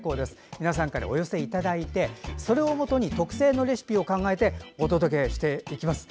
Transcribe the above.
皆さんからお寄せいただいてそれをもとに特製のレシピを考えお届けしていきます。